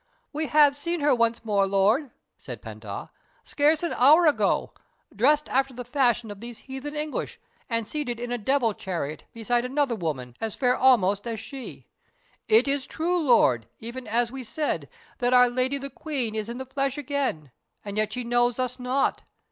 "We have seen her once more, Lord," said Pent Ah, "scarce an hour ago, dressed after the fashion of these heathen English, and seated in a devil chariot beside another woman, as fair almost as she. It is true, Lord, even as we said, that our Lady the Queen is in the flesh again, and yet she knows us not.